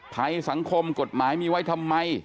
ภัยสังคมกฎหมายมีไว้ทำไม